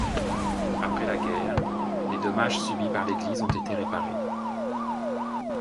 Après la guerre, les dommages subis par l'église ont été réparés.